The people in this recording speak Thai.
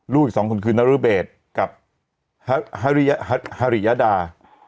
ลูกอีกสองคนคือนรื้อเบศกับฮาริยาดา